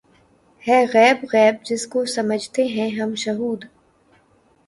ہے غیب غیب‘ جس کو سمجھتے ہیں ہم شہود